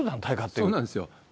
そうなんですよ。